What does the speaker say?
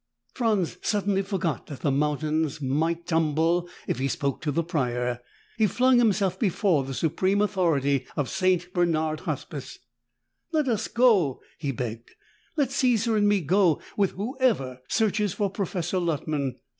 Franz suddenly forgot that the mountains might tumble if he spoke to the Prior. He flung himself before the supreme authority of St. Bernard Hospice. "Let us go!" he begged. "Let Caesar and me go with whoever searches for Professor Luttman!"